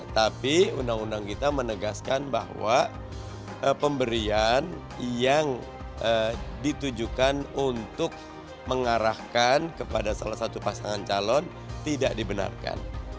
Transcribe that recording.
tapi undang undang kita menegaskan bahwa pemberian yang ditujukan untuk mengarahkan kepada salah satu pasangan calon tidak dibenarkan